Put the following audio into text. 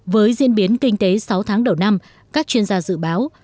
với diễn biến kinh tế sáu tháng đầu năm các chuyên gia dự báo